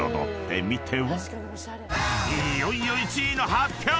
［いよいよ１位の発表！